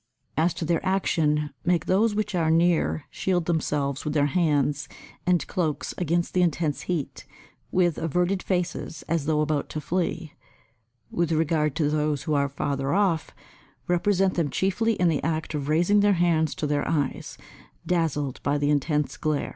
As to their action, make those which are near shield themselves with their hands and cloaks against the intense heat with averted faces as though about to flee; with regard to those who are farther off, represent them chiefly in the act of raising their hands to their eyes, dazzled by the intense glare.